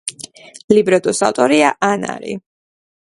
ლიბრეტოს ავტორია ანარი.